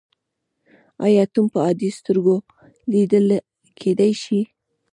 ایا اتوم په عادي سترګو لیدل کیدی شي.